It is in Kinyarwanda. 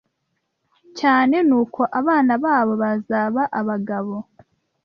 cyane n’uko abana babo bazaba abagabo